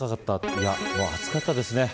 いや、もう暑かったですね。